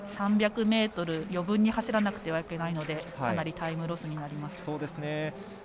３００ｍ余分に走らないといけないのでかなりタイムロスになります。